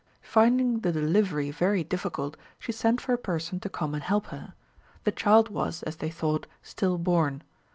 Finding the delivery very difficult, she sent for a person to come and help her. The child was, as they thought, still born.